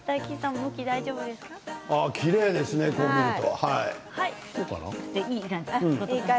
きれいですね、こう見ると。